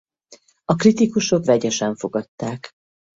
A kritikusok vegyesen fogadták.